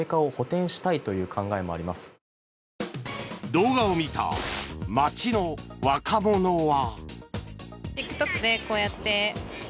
動画を見た街の若者は。